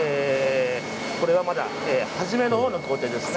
これはまだ始めのほうの工程です。